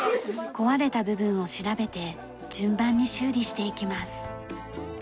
壊れた部分を調べて順番に修理していきます。